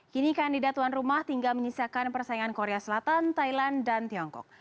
kini kandidat tuan rumah tinggal menyisakan persaingan korea selatan thailand dan tiongkok